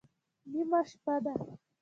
_نيمه شپه ده.